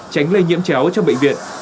tránh lây nhiễm chéo cho bệnh viện